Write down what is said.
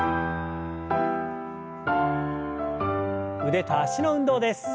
腕と脚の運動です。